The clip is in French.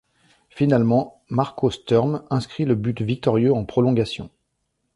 Finalement, Marco Sturm inscrit le but victorieux en prolongation.